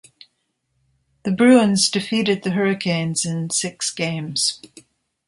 The Bruins defeated the Hurricanes in six games.